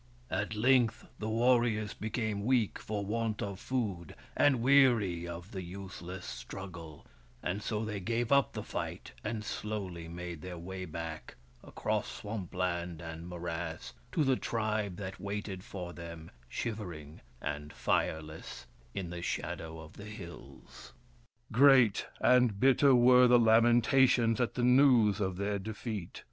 At length the warriors became weak for want of food, and weary of the useless struggle ; and so they gave up the fight and slowly made their way back, across swamp land and morass, to the tribe that waited for them, shivering and tireless, in the shadow of the hills. Great and bitter were the lamentations at the WURIP, THE FIRE BRINGER 233 news of their defeat.